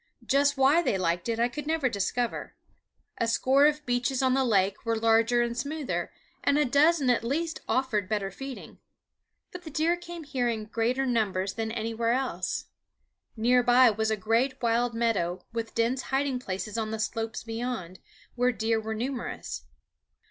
Just why they liked it I could never discover. A score of beaches on the lake were larger and smoother, and a dozen at least offered better feeding; but the deer came here in greater numbers than anywhere else. Near by was a great wild meadow, with dense hiding places on the slopes beyond, where deer were numerous.